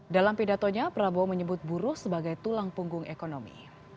dalam pidatonya prabowo menyebut buruh sebagai tulang punggung ekonomi